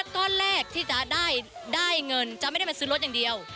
ก้อนแรกที่จะได้เงินจะไม่ได้มาซื้อรถอย่างเดียว